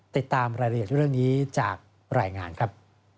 ติดตามรายละเอียดเรื่องนี้จากรายงานครับ